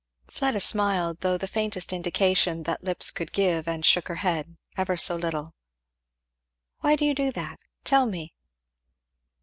Fleda smiled, though the faintest indication that lips could give, and shook her head, ever so little. "Why do you do that? tell me."